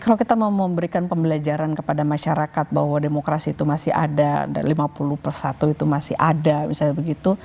kalau kita mau memberikan pembelajaran kepada masyarakat bahwa demokrasi itu masih ada lima puluh persatu itu masih ada misalnya begitu